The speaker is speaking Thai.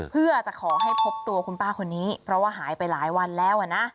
เพื่อจะขอให้พบตัวคุณป้าคนนี้เพราะว่าหายไปหลายวันแล้วนะ